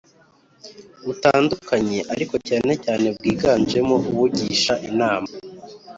butandukanye, ariko cyane cyane bwiganjemo ubugisha inama